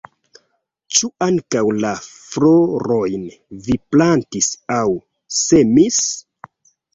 Ĉu ankaŭ la florojn vi plantis aŭ semis?